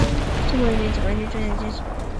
中国人民解放军中将军衔。